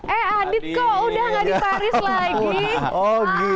eh adit kok udah gak di paris lagi